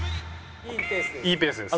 「いいペースです」。